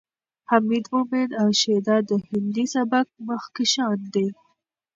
حمید مومند او شیدا د هندي سبک مخکښان دي.